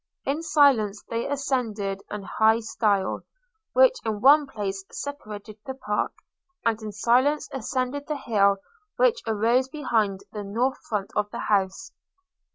In silence they ascended an high stile, which in one place separated the park; and in silence ascended the hill which arose behind the north front of the house.